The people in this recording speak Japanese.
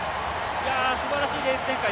すばらしいレース展開。